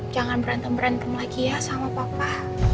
jangan berantem berantem lagi ya sama papa